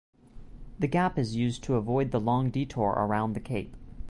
The gap is used to avoid the long detour around the cape.